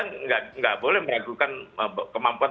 enggak boleh meragukan kemampuan